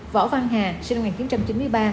võ văn hà sinh năm một nghìn chín trăm chín mươi ba